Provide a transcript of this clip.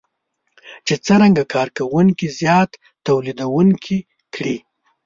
چې څرنګه کار کوونکي زیات توليدونکي کړي.